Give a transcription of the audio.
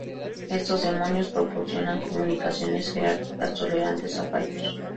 Estos demonios proporcionan comunicaciones jerárquicas tolerantes a fallos.